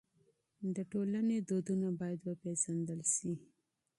د ټولني دودونه بايد وپېژندل سي.